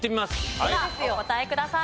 さあお答えください。